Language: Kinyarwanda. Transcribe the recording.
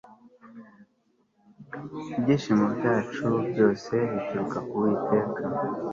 ibyishimo byacu byose bituruka k'uwiteka